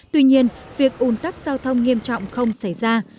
tuy nhiên việc ủn tắc giao thông nghiêm trọng không xảy ra